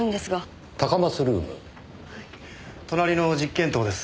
隣の実験棟です。